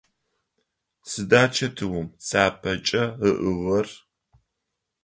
Сыда чэтыум цапэкӏэ ыӏыгъыгъэр?